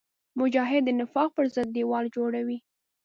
مجاهد د نفاق پر ضد دیوال جوړوي.